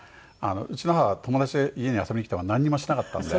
うちの母は友達が家に遊びに来てもなんにもしなかったんで。